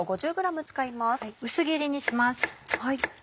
薄切りにします。